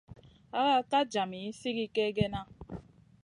Hakak ka djami sigi kegena.